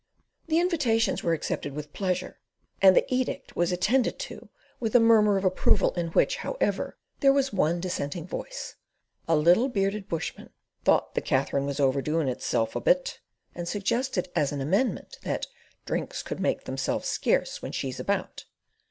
The invitations were accepted with pleasure, and the edict was attended to with a murmur of approval in which, however, there was one dissenting voice: a little bearded bushman "thought the Katherine was overdoing it a bit," and suggested as an amendment that "drunks could make themselves scarce when she's about."